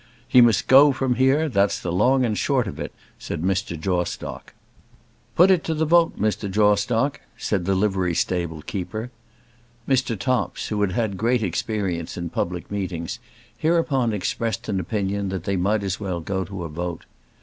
"He must go from here; that's the long and the short of it," said Mr. Jawstock. "Put it to the vote, Mr. Jawstock," said the livery stable keeper. Mr. Topps, who had had great experience in public meetings, hereupon expressed an opinion that they might as well go to a vote.